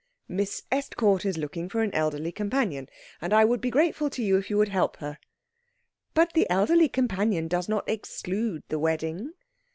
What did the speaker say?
"Miss Estcourt is looking for an elderly companion, and I would be grateful to you if you would help her." "But the elderly companion does not exclude the wedding."